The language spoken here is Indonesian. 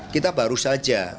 kita baru saja